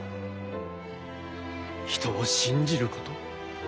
人を信じること。